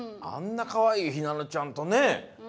あんなかわいいひなのちゃんとね。